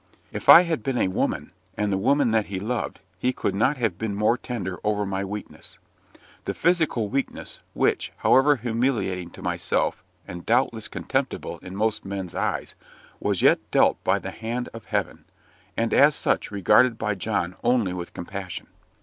If I had been a woman, and the woman that he loved, he could not have been more tender over my weakness. The physical weakness which, however humiliating to myself, and doubtless contemptible in most men's eyes was yet dealt by the hand of Heaven, and, as such, regarded by John only with compassion.